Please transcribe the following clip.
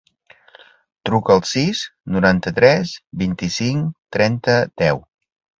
Truca al sis, noranta-tres, vint-i-cinc, trenta, deu.